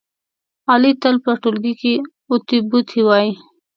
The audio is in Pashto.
علي تل په ټولگي کې اوتې بوتې وایي.